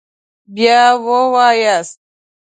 بیا ووایاست